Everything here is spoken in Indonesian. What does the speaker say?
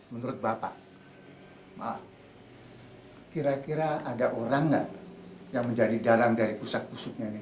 menurut bapak kira kira ada orang nggak yang menjadi dalang dari pusat pusatnya ini